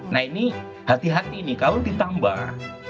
nah ini hati hati nih kalau ditambah